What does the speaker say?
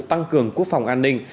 tăng cường quốc phòng an ninh